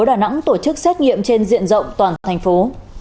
các lực lượng kiểm soát tp đà nẵng tổ chức xét nghiệm trên diện rộng toàn thành phố